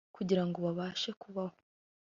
kugira ngo babashe kubaho.